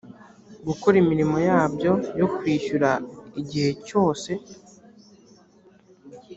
gukora imirimo yabyo yo kwishyura igihe cyose